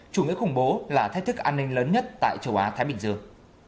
chủ nghĩa khủng bố là thách thức an ninh lớn nhất tại châu á thái bình dương